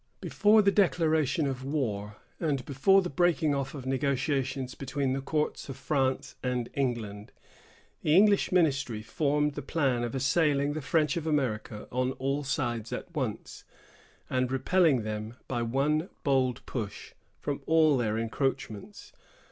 Before the declaration of war, and before the breaking off of negotiations between the courts of France and England, the English ministry formed the plan of assailing the French in America on all sides at once, and repelling them, by one bold push, from all their encroachments.